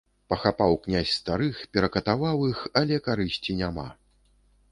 Пахапаў князь старых, перакатаваў іх, але карысці няма.